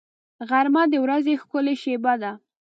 غرمه د ورځې ښکلې شېبه ده